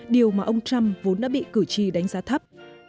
điều mà ông trump vốn đã bị cử tri đánh giá thấp